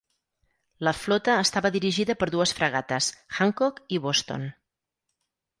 La flota estava dirigida per dues fragates, "Hancock" i "Boston".